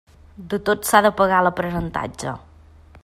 De tot s'ha de pagar l'aprenentatge.